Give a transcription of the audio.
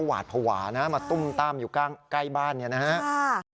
วาดผวามาตุ้มต้ามอยู่ใกล้บ้านนี้นะครับ